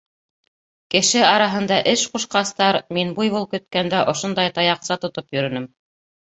Кеше араһында эш ҡушҡастар, мин буйвол көткәндә ошондай таяҡса тотоп йөрөнөм.